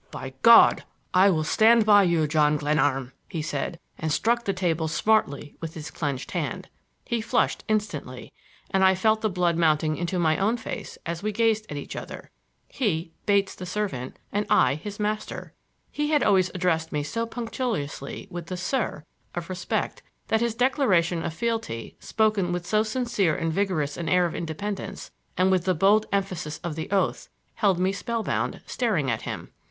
"By God, I will stand by you, John Glenarm!" he said, and struck the table smartly with his clenched hand. He flushed instantly, and I felt the blood mounting into my own face as we gazed at each other,—he, Bates, the servant, and I, his master! He had always addressed me so punctiliously with the "sir" of respect that his declaration of fealty, spoken with so sincere and vigorous an air of independence, and with the bold emphasis of the oath, held me spellbound, staring at him.